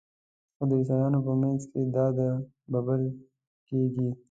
خو د عیسویانو په منځ کې دا د بلل کیږي.